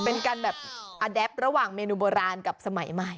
เป็นการแบบอดับระหว่างเมนูโบราณกับสมัยใหม่